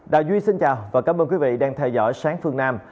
đà duy xin chào và cảm ơn quý vị đang theo dõi sáng phương nam